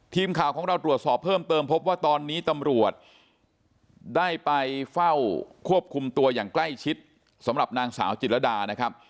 ทีมข่าวของเราตรวจสอบเพิ่มเติมพบว่าตอนนี้ตำรวจได้ไปเฝ้าควบคุมตัวอย่างใกล้ชิดสำหรับนางสาวจิตรดานะครับ